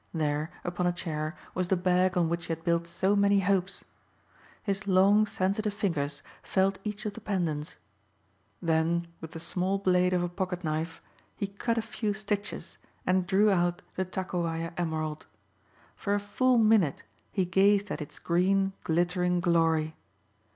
There, upon a chair, was the bag on which he had built so many hopes. His long sensitive fingers felt each of the pendants. Then with the small blade of a pocket knife he cut a few stitches and drew out the Takowaja emerald. For a full minute he gazed at its green glittering glory.